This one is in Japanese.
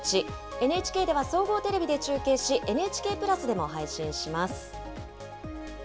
ＮＨＫでは総合テレビで中継し、ＮＨＫプラスでも配信します。